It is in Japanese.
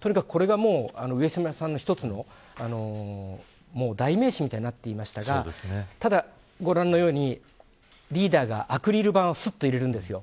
とにかくこれが、上島さんの一つの代名詞みたいになっていましたがただ、ご覧のようにリーダーがアクリル板をすっと入れるんですよ。